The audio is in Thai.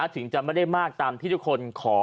ถึงจะไม่ได้มากตามที่ทุกคนขอ